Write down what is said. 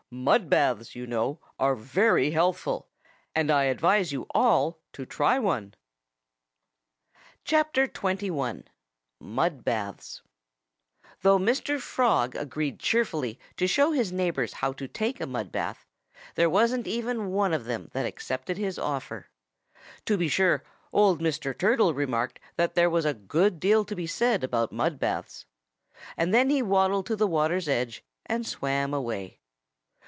"Mud baths, you know, are very healthful. And I advise you all to try one." XXI MUD BATHS Though Mr. Frog agreed cheerfully to show his neighbors how to take a mud bath, there wasn't even one of them that accepted his offer. To be sure, old Mr. Turtle remarked that there was a good deal to be said about mud baths. And then he waddled to the water's edge and swam away.